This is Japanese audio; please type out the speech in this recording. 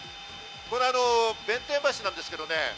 これ弁天橋なんですけどね。